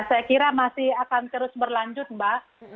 saya kira masih akan terus berlanjut mbak